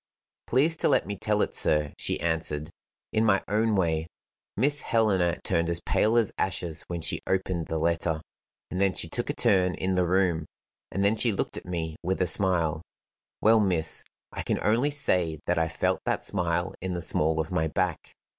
"Please to let me tell it, sir," she answered, "in my own way. Miss Helena turned as pale as ashes when she opened the letter, and then she took a turn in the room, and then she looked at me with a smile well, miss, I can only say that I felt that smile in the small of my back.